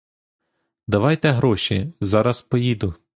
Давайте гроші, зараз поїду.